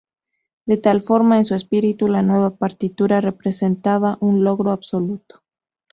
De tal forma, en su espíritu, la nueva partitura representaba un logro absoluto.